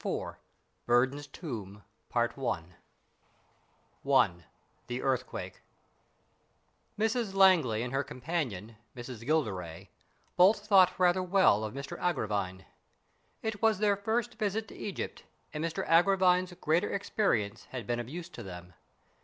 iMr BURDON'S TOMB I THE EARTHQUAKE MRS LANGLEY and her companion, Miss Gilderay, both thought rather well of Mr Agravine. It was their first visit to Egypt, and Mr Agravine's greater experience had been of use to them.